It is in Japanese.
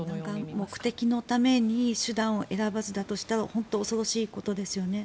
目的のために手段を選ばずだとしたら本当に恐ろしいことですよね。